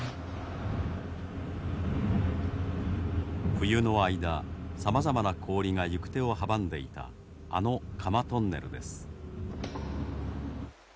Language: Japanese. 冬の間さまざまな氷が行く手を阻んでいたあの釜トンネルです。